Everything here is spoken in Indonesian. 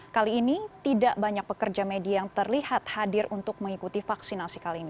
kali ini tidak banyak pekerja media yang terlihat hadir untuk mengikuti vaksinasi kali ini